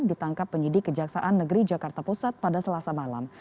ditangkap penyidik kejaksaan negeri jakarta pusat pada selasa malam